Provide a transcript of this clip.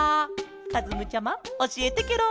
かずむちゃまおしえてケロ！